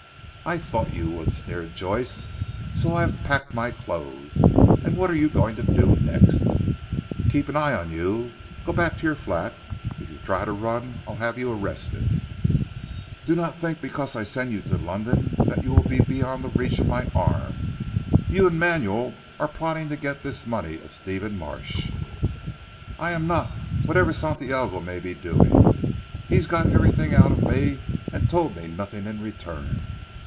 "I thought you would," sneered Joyce, "so I have packed my clothes. And what are you going to do next?" "Keep an eye on you. Go back to your flat. If you try to run I'll have you arrested. Do not think because I send you to London that you will be beyond the reach of my arm. You and Manuel are plotting to get this money of Stephen Marsh." "I am not, whatever Santiago may be doing. He got everything out of me and told me nothing in return.